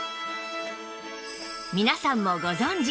皆さんもご存じ！